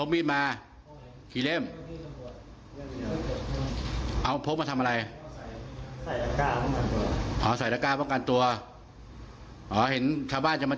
เม็ดเดียวเพราะอะไรเราถึงไม่เอาทงชาติลงมา